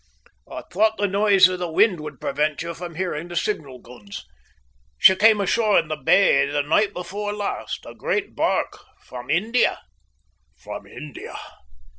"I thought the noise of the wind would prevent you hearing the signal guns. She came ashore in the bay the night before last a great barque from India." "From India!"